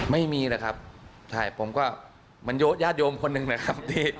ไม่มีนะครับผมก็เหมือนยาดโยมคนหนึ่งนะครับ